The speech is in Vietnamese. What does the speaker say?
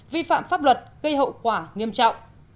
vi phạm pháp luật gây hậu quả nghiêm trọng